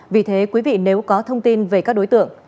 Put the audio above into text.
vì thế quý vị nếu có thông tin về các đối tượng